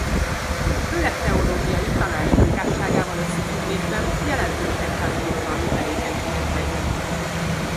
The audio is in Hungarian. Főleg teológiai tanári munkásságával összefüggésben jelentős egyházi irodalmi tevékenységet fejtett ki.